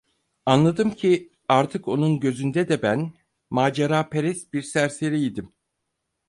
Anladım ki, artık onun gözünde de ben maceraperest bir serseri idim.